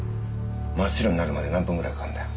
真っ白になるまで何分ぐらいかかるんだよ。